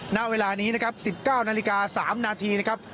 ณเวลานี้นะครับ๑๙นาฬิกา๓นาทีนะครับ